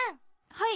はい。